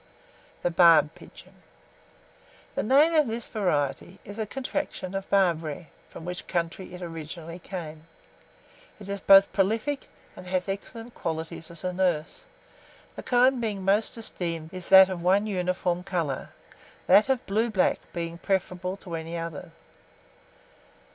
[Illustration: BARB PIGEONS.] THE BARB PIGEON. The name of this variety is a contraction of Barbary, from which country it originally comes. It is both prolific and has excellent qualities as a nurse. The kind most esteemed is that of one uniform colour, that of blue black being preferable to any other.